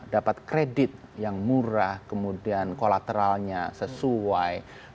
dapat kredit yang murah kemudian kolateralnya sesuai